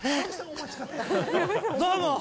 どうも。